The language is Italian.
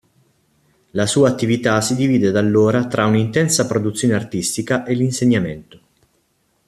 La sua attività si divide da allora tra un'intensa produzione artistica e l'insegnamento.